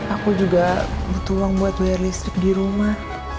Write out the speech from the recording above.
aku juga butuh uang buat bayar listrik di rumah